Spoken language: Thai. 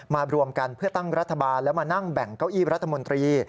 รวมกันเพื่อตั้งรัฐบาลแล้วมานั่งแบ่งเก้าอี้รัฐมนตรี